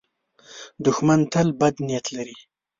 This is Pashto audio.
دښمن تل بد نیت لري